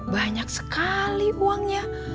banyak sekali uangnya